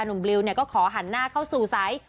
บลิวก็ขอหันหน้าเข้าสู่สาย